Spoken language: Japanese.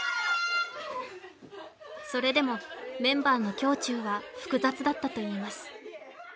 それでもメンバーの胸中は複雑だったといいます